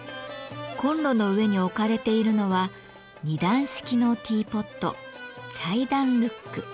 コンロの上に置かれているのは２段式のティーポットチャイダンルック。